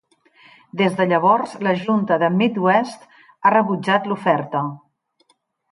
Des de llavors, la junta de Midwest ha rebutjat l'oferta.